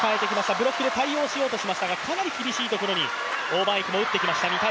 ブロックで対応しようとしましたがかなり厳しいところに王曼イクも打ってきました。